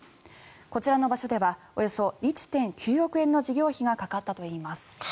こちらの場所ではおよそ１．９億円の事業費がかかったといいます。